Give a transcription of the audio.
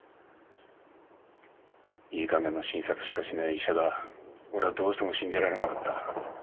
いいかげんな診察しかしない医者が俺はどうしても信じられなかった。